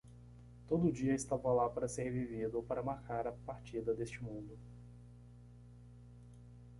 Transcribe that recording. Todo dia estava lá para ser vivido ou para marcar a partida deste mundo.